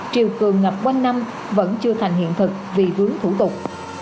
triều cường ngập quanh năm vẫn chưa thành hiện thực vì vướng thủ tục